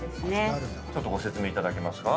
ちょっとご説明いただけますか？